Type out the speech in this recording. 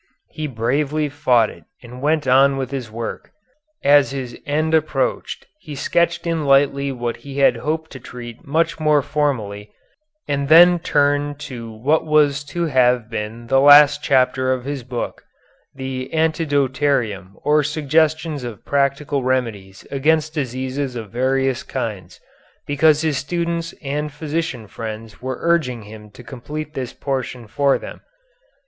He bravely fought it and went on with his work. As his end approached he sketched in lightly what he had hoped to treat much more formally, and then turned to what was to have been the last chapter of his book, the Antidotarium or suggestions of practical remedies against diseases of various kinds because his students and physician friends were urging him to complete this portion for them.